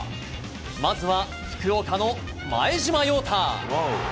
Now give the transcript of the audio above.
まずは福岡の前嶋洋太。